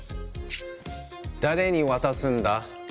誰に渡すんだ？